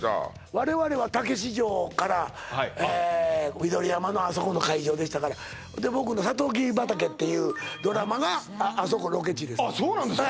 我々は「たけし城」から緑山のあそこの会場でしたからで僕の「さとうきび畑」っていうドラマがあそこロケ地ですええあっそうなんですか？